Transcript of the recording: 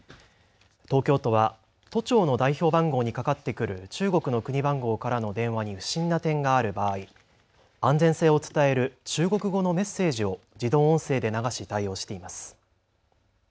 東京都は都庁の代表番号にかかってくる中国の国番号からの電話に不審な点がある場合、安全性を伝える中国語のメッセージを自動音声で流し対応しています。